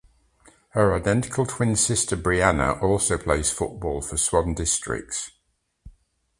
Her identical twin sister Brianna also plays football for Swan Districts.